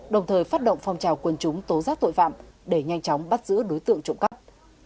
đồng thời phát động phong trào quân chúng tố giác tội phạm để nhanh chóng bắt giữ đối tượng trộm cắp